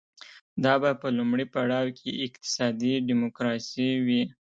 دا به په لومړي پړاو کې اقتصادي ډیموکراسي وي